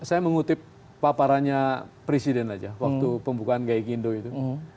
saya mengutip paparannya presiden aja waktu pembukaan gai kindo itu